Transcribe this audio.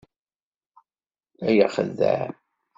Ay axeddaɛ!